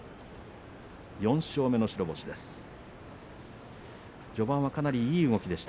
４勝目の白星です。